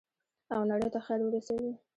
او نړۍ ته خیر ورسوي.